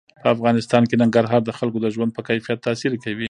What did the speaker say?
په افغانستان کې ننګرهار د خلکو د ژوند په کیفیت تاثیر کوي.